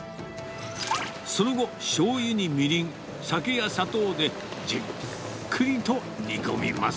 その後、しょうゆにみりん、酒や砂糖でじっくりと煮込みます。